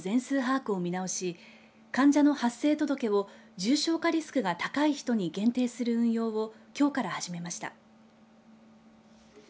茨城県は新型コロナ感染者の全数把握を見直し患者の発生届を重症化リスクが高い人に限定する運用をきょうから始めました。